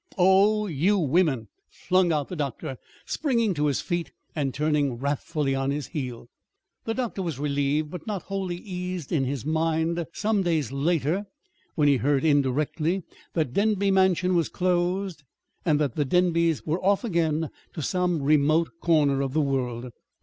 "Oh, you women!" flung out the doctor, springing to his feet and turning wrathfully on his heel. The doctor was relieved, but not wholly eased in his mind some days later when he heard indirectly that Denby Mansion was closed, and that the Denbys were off again to some remote corner of the world.